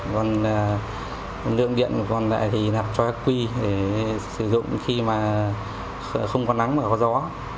còn lượng điện còn lại thì nạp cho aqi để sử dụng khi mà không có nắng và có gió